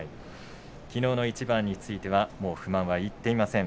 きのうの一番については不満は言っていません。